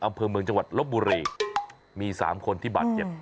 อำเภอเมืองจังหวัดลบบุรีมี๓คนที่บาดเจ็บ